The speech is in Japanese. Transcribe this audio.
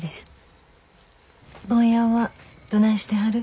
ボンやんはどないしてはる？